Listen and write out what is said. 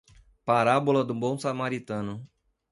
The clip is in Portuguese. Parábola do bom samaritano